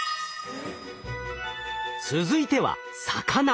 続いては魚。